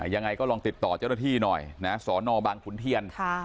ยังไงก็ลองติดต่อเจ้าหน้าที่หน่อยนะสอนอบังขุนเทียน